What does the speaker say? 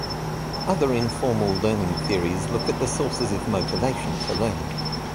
Other informal learning theories look at the sources of motivation for learning.